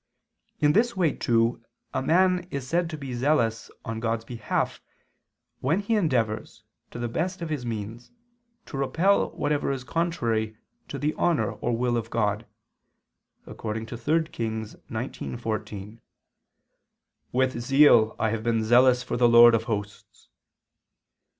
In this way, too, a man is said to be zealous on God's behalf, when he endeavors, to the best of his means, to repel whatever is contrary to the honor or will of God; according to 3 Kings 19:14: "With zeal I have been zealous for the Lord of hosts."